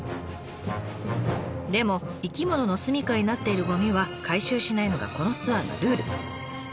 でも生き物の住みかになっているゴミは回収しないのがこのツアーのルール。